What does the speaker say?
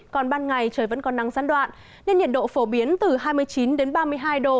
còn ban ngày trời vẫn còn nắng gián đoạn nên nhiệt độ phổ biến từ hai mươi chín đến ba mươi hai độ